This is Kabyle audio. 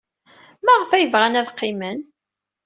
Maɣef ay bɣan ad qqimen?